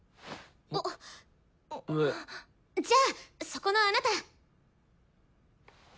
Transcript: じゃあそこのあなた！